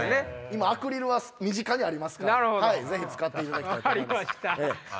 今アクリルは身近にありますからぜひ使っていただきたいと思います。